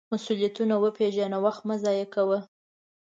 مسؤلیتونه وپیژنه، وخت مه ضایغه کوه.